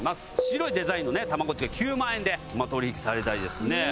白いデザインのねたまごっちが９万円で取引されたりですね。